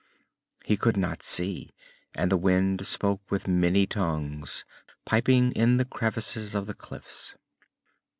He could not see, and the wind spoke with many tongues, piping in the crevices of the cliffs.